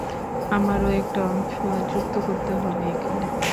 আমারও একটা অংশ যুক্ত করতে হবে এখানে।